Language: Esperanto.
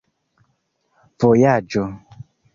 vojaĝo